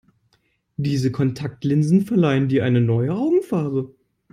Diese Kontaktlinsen verleihen dir eine neue Augenfarbe.